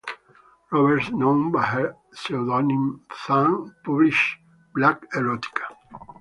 Roberts, known by her pseudonym, Zane, published Black Erotica.